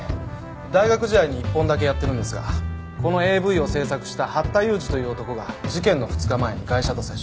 大学時代に１本だけやってるんですがこのＡＶを制作した八田勇二という男が事件の２日前にガイシャと接触。